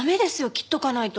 切っとかないと。